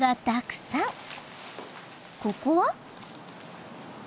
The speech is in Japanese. ここは？